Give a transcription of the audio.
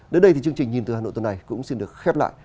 đến đây thì chương trình nhìn từ hà nội tuần này cũng xin được khép lại